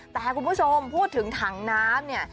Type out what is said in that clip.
แต่คุณผู้ชมพูดถึงถังน้ำเนี่ย